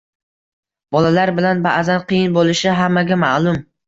Bolalar bilan ba’zan qiyin bo‘lishi hammaga ma’lum.